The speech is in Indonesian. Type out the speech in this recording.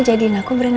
nah gitu kong